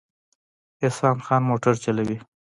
احسان خان موټر چلوي